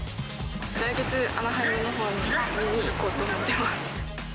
来月、アナハイムのほうに見に行こうと思ってます。